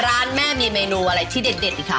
ร้านแม่มีเมนูอะไรที่เด็ดอีกคะ